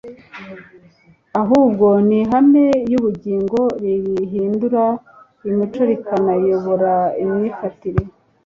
ahubwo ni ihame iy'ubugingo rihindura imico rikanayobora imyifatire.